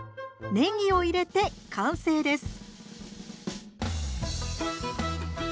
ねぎを入れて完成です。